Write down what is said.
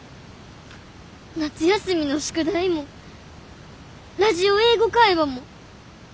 夏休みの宿題もラジオ「英語会話」も。